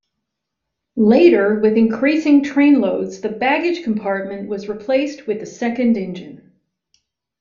Later, with increasing trainloads, the baggage compartment was replaced with a second engine.